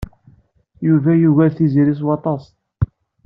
Yuba yugar Tiziri s waṭas.